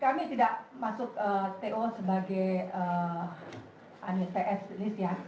kami tidak masuk to sebagai tos list ya